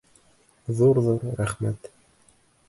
Ҙур-ҙур рәхмәт!..